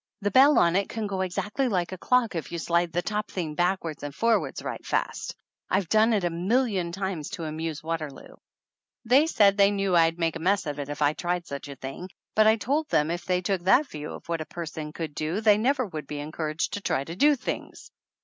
"The bell on it can go exactly like a clock if you slide the top thing back wards and forwards right fast. I've done it a million times to amuse Waterloo !" They said they knew I'd make a mess of it if I tried such a thing, but I told them if they took that view of what a person could do they THE ANNALS OF ANN never would be encouraged to try to do things.